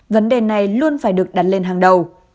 vấn đề này luôn phải được đặt lên hàng đầu